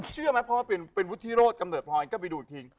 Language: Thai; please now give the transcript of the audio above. เชื่อไหมเพราะว่าเป็นวุฒิโรธกำเนิดพลอยก็ไปดูอีกที